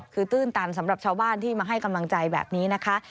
คือตื้นตันสำหรับชาวบ้านที่มาให้กำลังใจแบบนี้นะคะ